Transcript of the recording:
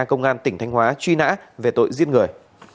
công an tỉnh thanh hóa truy nã về tội giết người